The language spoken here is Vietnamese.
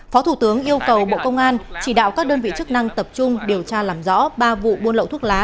phó thủ tướng yêu cầu bộ công an chỉ đạo các đơn vị chức năng tập trung điều tra làm rõ ba vụ buôn lậu thuốc lá